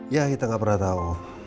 ya kita nggak pernah tahu